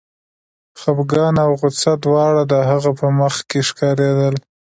خپګان او غوسه دواړه د هغه په مخ کې ښکارېدل